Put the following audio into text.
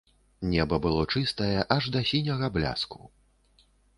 Неба было чыстае, аж да сіняга бляску.